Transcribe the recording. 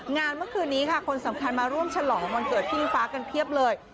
เมื่อคืนนี้ค่ะคนสำคัญมาร่วมฉลองวันเกิดพี่อิงฟ้ากันเพียบเลย